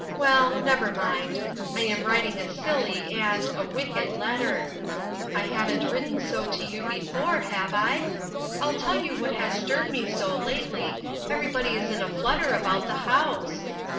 Well, never mind. I am writing a silly and, a wicked letter. I haven't written so to you before, have I ? I'll tell you what has stirred me so, lately , everybody is in a flutter about the house.